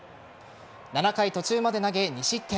７回途中まで投げ、２失点。